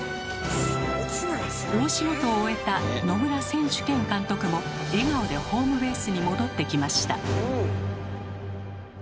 大仕事を終えた野村選手兼監督も笑顔でホームベースに戻ってきました。